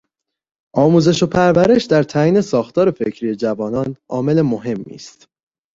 آموزش و پرورش در تعیین ساختار فکری جوانان عامل مهمی است.